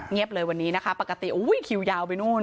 เลยวันนี้นะคะปกติอุ้ยคิวยาวไปนู่น